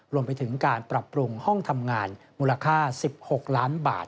รวมไปถึงการปรับปรุงห้องทำงานมูลค่า๑๖ล้านบาท